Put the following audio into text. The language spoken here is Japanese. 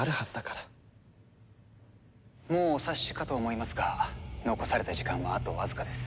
もうお察しかと思いますが残された時間はあとわずかです。